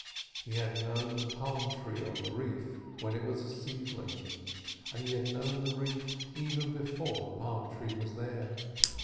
He had known the palm tree on the reef when it was a seedling, and he had known the reef even before the palm tree was there.